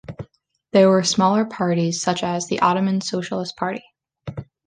There were smaller parties such as Ottoman Socialist Party.